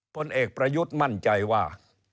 ผลเอกประยุทธ์มั่นใจว่า